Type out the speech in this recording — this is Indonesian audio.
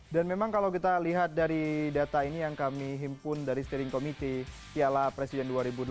memang kalau kita lihat dari data ini yang kami himpun dari steering committee piala presiden dua ribu delapan belas